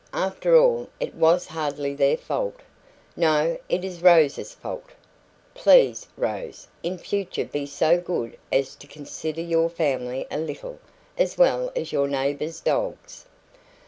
After all, it was hardly their fault." "No; it is Rose's fault. Please, Rose, in future be so good as to consider your family a little, as well as your neighbours' dogs."